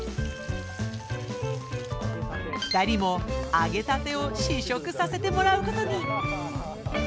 ２人も揚げたてを試食させてもらうことに。